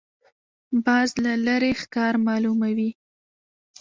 باز له لرې ښکار معلوموي